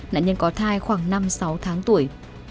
nạn nhân có thai khoảng năm sáu tháng tuổi